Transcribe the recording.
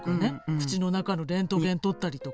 口の中のレントゲン撮ったりとか。